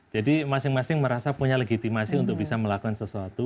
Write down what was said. jadi masing masing merasa punya legitimasi untuk bisa melakukan sesuatu